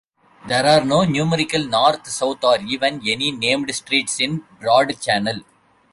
There are no numerical north-south or even any named "Streets" in Broad Channel.